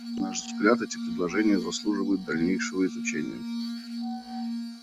На наш взгляд, эти предложения заслуживают дальнейшего изучения.